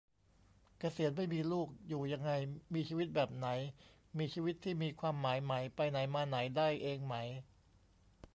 เกษียณไม่มีลูก อยู่ยังไง มีชีวิตแบบไหน มีชีวิตที่มีความหมายไหม ไปไหนมาไหนได้เองไหม